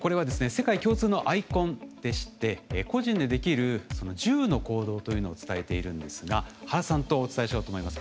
世界共通のアイコンでして「個人でできる１０の行動」というのを伝えているんですが原さんとお伝えしようと思います。